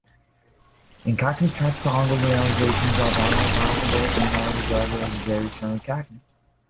In Cockney, triphthongal realizations of are possible, and are regarded as "very strongly Cockney".